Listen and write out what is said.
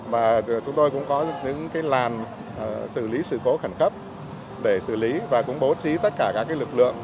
và chúng tôi cũng có những cái làn xử lý sự cố khẩn cấp để xử lý và cũng bố trí tất cả các lực lượng